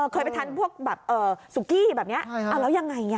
เคยไปทานพวกปุ๊กพี่สุกี้แล้วยังไง